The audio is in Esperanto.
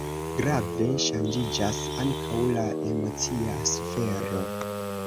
Grave ŝanĝiĝas ankaŭ la emocia sfero.